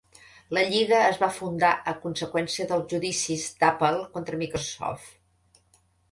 La lliga es va fundar a conseqüència dels judicis d'Apple contra Microsoft.